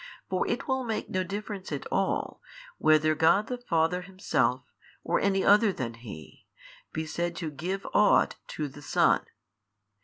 for it will make no difference at all, whether God the Father Himself, or any other than He, be said to give ought to the Son.